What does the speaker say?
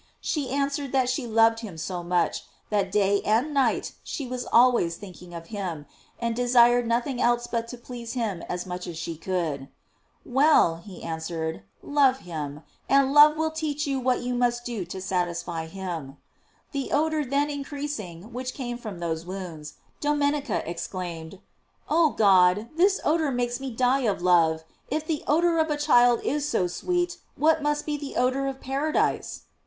She answered that she loved him so much, that day and night she was always thinking of him, and desired nothing else but to please him as much as she could. "Well," answered he, "love him; and love will teach you GLOEIES OF MABY. 409 what you must do to satisfy him.*' The odor then increasing which came from those wounds, Domenica exclaimed: "Oh God, this odor makes me die of love; if the odor of a child is so sweett what must be the odor of paradise?"